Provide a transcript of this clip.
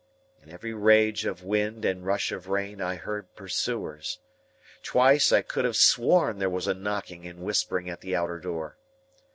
In every rage of wind and rush of rain, I heard pursuers. Twice, I could have sworn there was a knocking and whispering at the outer door.